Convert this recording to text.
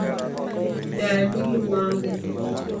Dani luongi